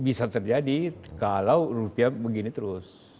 bisa terjadi kalau rupiah begini terus